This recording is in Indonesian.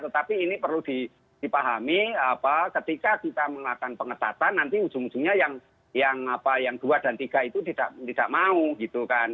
tetapi ini perlu dipahami ketika kita melakukan pengetatan nanti ujung ujungnya yang dua dan tiga itu tidak mau gitu kan